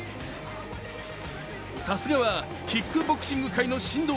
さすがはキックボクシング界の神童。